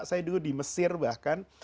saya dulu di mesir bahkan